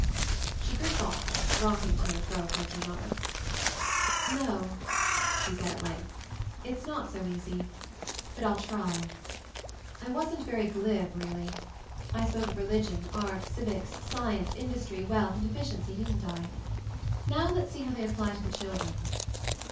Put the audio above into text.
She grew thoughtful, rocking to and fro for a few moments. "No," she said at length, "it's not so easy. But 111 try. I wasn't very glib, really. I spoke of religion, art, civics, science, indus try, wealth, and efficiency, didn't I? Now let's see how they apply to the children.